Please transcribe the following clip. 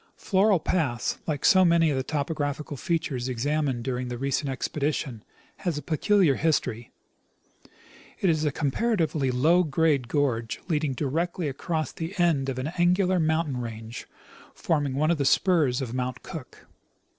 Floral pass, like so many of the topographical features examined during the recent expedition, has a peculiar history. It is a com paratively low grade gorge leading directly across the end of an angular mountain range forming one of the spurs of Mount Cook.